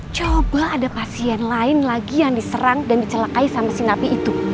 coba ada pasien lain lagi yang diserang dan dicelakai sama si napi itu